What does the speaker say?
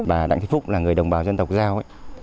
bà đặng thị phúc là người đồng bào dân tộc giao